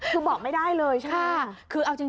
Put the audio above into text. คุณบอกไม่ได้เลยใช่ไหม